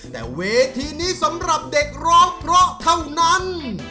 แต่เวทีนี้สำหรับเด็กร้องเพราะเท่านั้น